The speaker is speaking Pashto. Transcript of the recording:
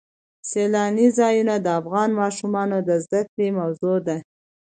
سیلانی ځایونه د افغان ماشومانو د زده کړې موضوع ده.